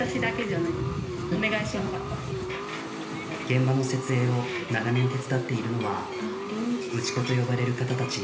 現場の設営を長年手伝っているのは打ち子と呼ばれる方たち。